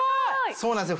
そうなんですよ